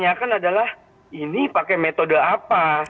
yang kita tanyakan adalah ini pakai metode apa